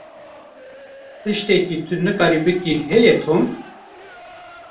Tiştekî tu nikaribî bikî, heye Tom?